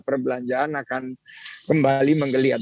perbelanjaan akan kembali menggeliat